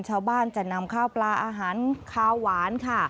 ชาวบ้านจะนำข้าวปลาอาหารคาวหวานค่ะ